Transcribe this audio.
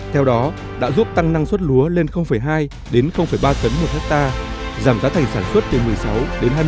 theo đó đã giúp tăng năng suất lúa lên hai đến ba tấn một hectare giảm giá thành sản xuất từ một mươi sáu đến hai mươi